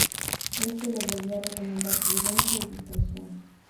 Este le volvió a recomendar prudencia y discreción.